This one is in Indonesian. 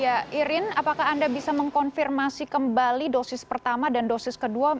ya irin apakah anda bisa mengkonfirmasi kembali dosis pertama dan dosis kedua